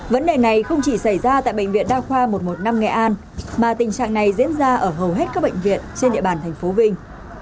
vấn đề này không chỉ xảy ra tại bệnh viện đa khoa một trăm một mươi năm nghệ an mà tình trạng này diễn ra ở hầu hết các bệnh viện trên địa bàn tp vinh